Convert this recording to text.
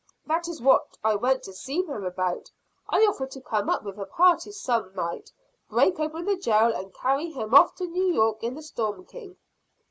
"That is what I went to see him about. I offered to come up with a party some night, break open the jail, and carry him off to New York in the Storm King."